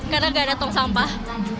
karena gak ada tong sampah